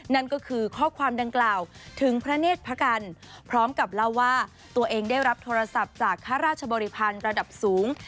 นั่นก็คือข้อความดังกล่าวถึงพระเนธพระกันพร้อมกับเล่าว่าตัวเองได้รับโทรศัพท์จากข้าราชบริพันธ์ระดับสูง